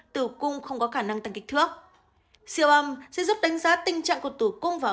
tử cung không có khả năng tăng kích thước siêu âm sẽ giúp đánh giá tình trạng của tử cung vào